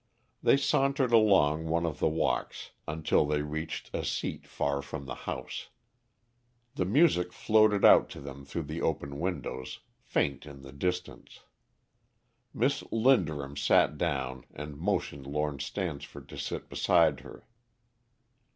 They sauntered along one of the walks until they reached a seat far from the house. The music floated out to them through the open windows, faint in the distance. Miss Linderham sat down and motioned Lord Stansford to sit beside her.